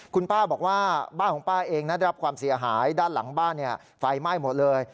คุณป้าบอกว่าบ้านของป้าเองได้รับความเสียหายด้านหลังบ้านไฟไหม้หมดเลย